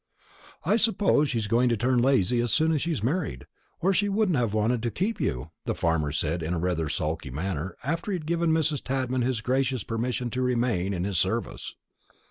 "I suppose she's going to turn lazy as soon as she's married, or she wouldn't have wanted to keep you," the farmer said in rather a sulky manner, after he had given Mrs. Tadman his gracious permission to remain in his service.